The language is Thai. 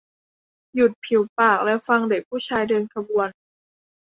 หยุดผิวปากและฟังเด็กผู้ชายเดินขบวน